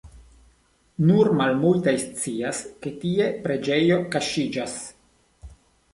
Nur malmultaj scias, ke tie preĝejo kaŝiĝas.